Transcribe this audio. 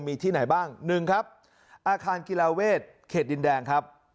มีที่ไหนบ้างหนึ่งครับอาคารกีฬาเวทเขตดินแดงครับ